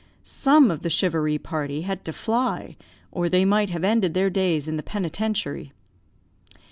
Some of the charivari party had to fly, or they might have ended their days in the penitentiary.